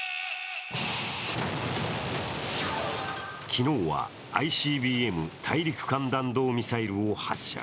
昨日はＩＣＢＭ＝大陸間弾道ミサイルを発射。